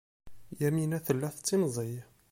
Yamina tella tettimẓiy.